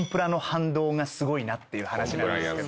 ていう話なんですけど。